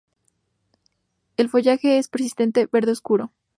El follaje es persistente, verde oscuro.